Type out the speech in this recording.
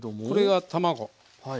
これが卵。